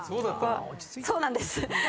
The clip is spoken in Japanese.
そうなんです！